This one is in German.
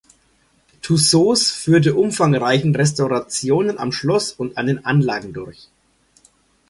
Tussauds führte umfangreichen Restaurationen am Schloss und an den Anlagen durch.